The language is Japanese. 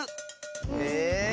え⁉